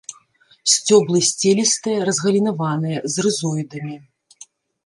Сцёблы сцелістыя, разгалінаваныя, з рызоідамі.